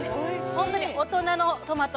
ホントに大人のトマト